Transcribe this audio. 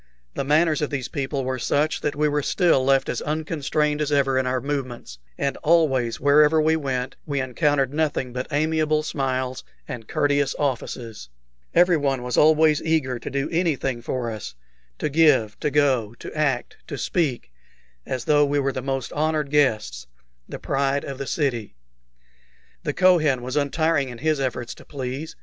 The manners of these people were such that we were still left as unconstrained as ever in our movements, and always, wherever we went, we encountered nothing but amiable smiles and courteous offices. Everyone was always eager to do anything for us to give, to go, to act, to speak, as though we were the most honored of guests, the pride of the city. The Kohen was untiring in his efforts to please.